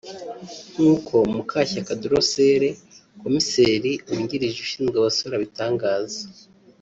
nk’uko Mukashyaka Drocelle komiseri wungirije ushinzwe abasora abitangaza